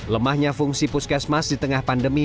lemahnya fungsi puskesmas di tengah pandemi